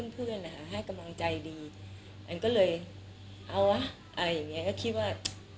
เพื่อนนะคะให้กำลังใจดีแอนก็เลยเอาวะอะไรอย่างนี้ก็คิดว่า